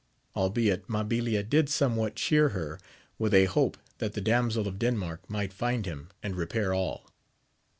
Albeit Mabilia did somewhat cheer her with a hope that the Damsel of Denmark might find him and repair all.